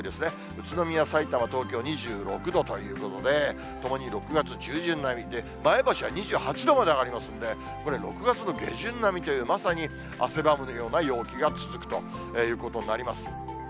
宇都宮、さいたま、東京２６度ということで、ともに６月中旬並みで、前橋は２８度まで上がりますんで、これ、６月の下旬並みという、まさに汗ばむような陽気が続くということになります。